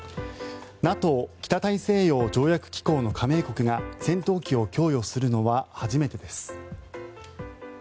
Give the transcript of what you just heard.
ＮＡＴＯ・北大西洋条約機構の加盟国が戦闘機を供与するのは初めてです。